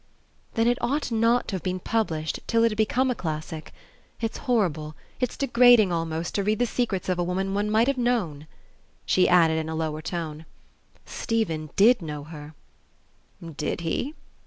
"Then it ought not to have been published till it had become a classic. It's horrible, it's degrading almost, to read the secrets of a woman one might have known." She added, in a lower tone, "Stephen DID know her " "Did he?"